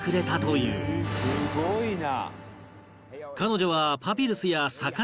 「すごいな！」